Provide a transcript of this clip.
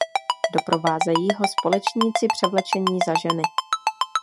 Doprovázejí ho společníci převlečení za ženy.